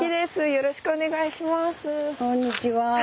よろしくお願いします。